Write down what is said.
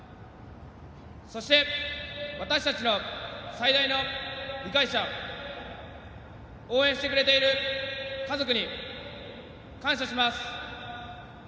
そして、私たちの最大の理解者応援してくれている家族に感謝します。